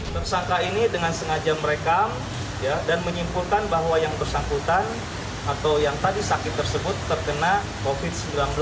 tersangka ini dengan sengaja merekam dan menyimpulkan bahwa yang bersangkutan atau yang tadi sakit tersebut terkena covid sembilan belas